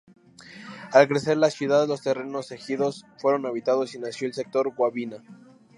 Al crecer la ciudad los terrenos ejidos fueron habitados y nació el sector Guabina.